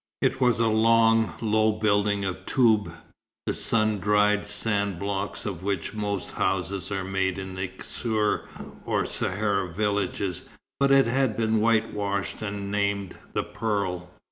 It was a long, low building of toub, the sun dried sand blocks of which most houses are made in the ksour, or Sahara villages, but it had been whitewashed, and named the Pearl.